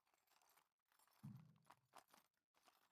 Lane স্থাপন করে যানবাহনের একমুখী চলাচল করা ছাড়া বিকল্প ছিল না।